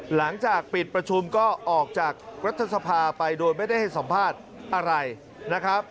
หลังจากปิดประชุมก็ออกจากรัฐสภาไปโดยไม่ได้ให้สัมภาษณ์อะไรนะครับ